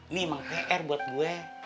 ini emang thr buat gue